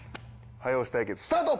早押し対決スタート！